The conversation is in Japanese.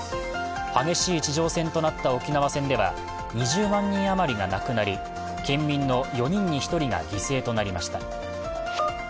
激しい地上戦となった沖縄戦では２０万人あまりが亡くなり県民の４人に１人が犠牲となりました。